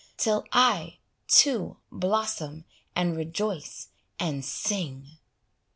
Till I, too, blossom and rejoice and sing.